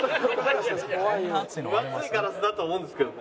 分厚いガラスだと思うんですけどね。